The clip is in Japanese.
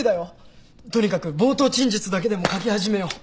とにかく冒頭陳述だけでも書き始めよう。